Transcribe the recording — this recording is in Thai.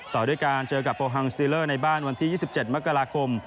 ต่อด้วยการเจอกับโปฮังซีเลอร์ในบ้านวันที่๒๗มกราคม